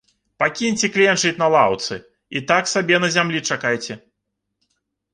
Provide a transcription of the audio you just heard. Пакіньце кленчыць на лаўцы, а так сабе на зямлі чакайце.